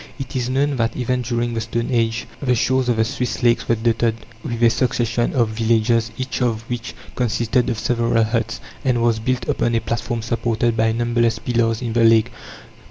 It is known that even during the stone age the shores of the Swiss lakes were dotted with a succession of villages, each of which consisted of several huts, and was built upon a platform supported by numberless pillars in the lake.